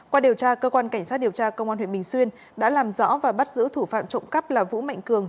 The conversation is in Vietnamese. qua điều tra cơ quan cảnh sát điều tra công an huyện bình xuyên đã làm rõ và bắt giữ thủ phạm trộm cắp là vũ mạnh cường